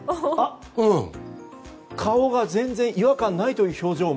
顔が全然違和感ないという。